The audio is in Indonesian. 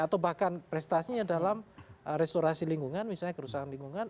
atau bahkan prestasinya dalam restorasi lingkungan misalnya kerusakan lingkungan